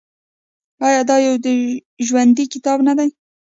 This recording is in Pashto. آیا دا یو ژوندی کتاب نه دی؟